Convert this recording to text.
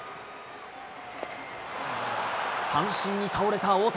三振に倒れた大谷。